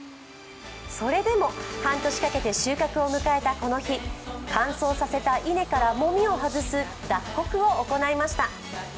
それでも半年かけて収穫を迎えたこの日、乾燥させた稲からもみを外す脱穀を行いました。